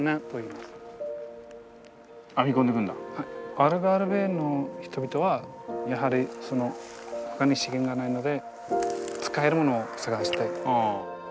アルガルヴェの人々はやはりほかに資源がないので使えるものを探して。